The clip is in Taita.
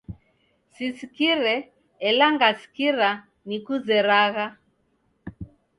Sisikire ela ngasikira nikuzeragha.